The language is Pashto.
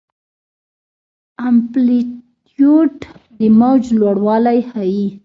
امپلیتیوډ د موج لوړوالی ښيي.